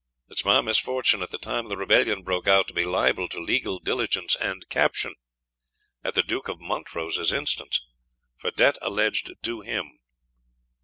It was my misfortune, at the time the Rebellion broke out, to be liable to legal diligence and caption, at the Duke of Montrose's instance, for debt alledged due to him.